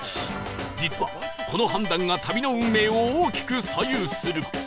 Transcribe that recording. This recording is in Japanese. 実はこの判断が旅の運命を大きく左右する